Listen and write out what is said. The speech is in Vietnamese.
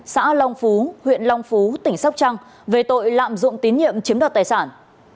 xã long phú huyện long phú tỉnh sóc trăng về tội lạm dụng tín nhiệm chiếm đoạt tài sản